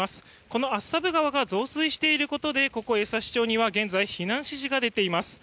この厚沢部川が増水していることでここ江差町には現在避難指示が出ています。